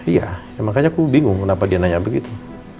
iya makanya aku bingung kenapa dia nanya begitu